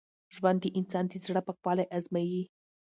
ژوند د انسان د زړه پاکوالی ازمېيي.